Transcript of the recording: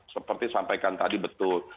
seperti sampaikan tadi betul